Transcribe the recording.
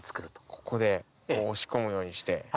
ここで押し込むようにして。